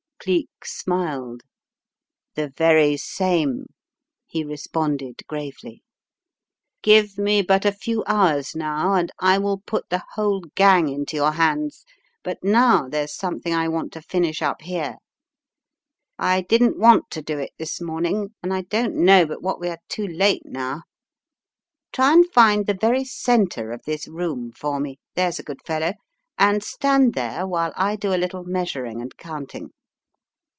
" Cleek smiled. "The very same," he responded, gravely. "Give me but a few hours now, and I will put the whole gang into your hands, but now there's something I want to finish up here. I didn't want to do it this morning, and I don't know but what we are too late now. Try and find the very centre of this room for me, there's a good fellow, and stand there while I do a little measuring and counting."